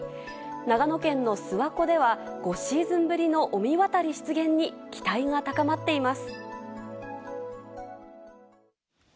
長野県の諏訪湖では、５シーズンぶりの御神渡り出現に期待が高まっています。